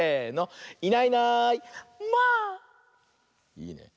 いいね。